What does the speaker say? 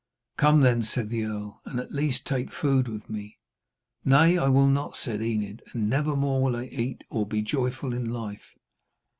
'Come, then,' said the earl, 'and at least take food with me.' 'Nay, I will not,' said Enid, 'and never more will I eat or be joyful in life.'